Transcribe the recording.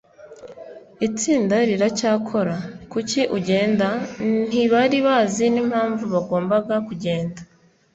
Itsinda riracyakora. Kuki ugenda? Ntibari bazi n'impamvu bagombaga kugenda.